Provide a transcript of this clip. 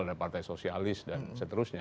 ada partai sosialis dan seterusnya